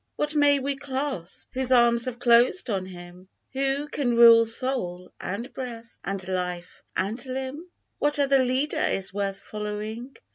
What may we clasp, whose arms have closed on him Who can rule soul, and breath, and life, and limb ? What other leader is worth following